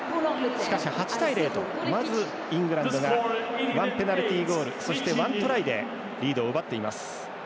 しかし、８対０とまず、イングランドが１ペナルティゴールそして１トライでリードを奪っています。